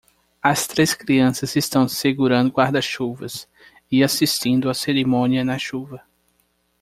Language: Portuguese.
As três crianças estão segurando guarda-chuvas e assistindo a cerimônia na chuva.